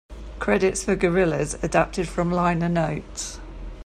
Credits for "Gorillaz" adapted from liner notes.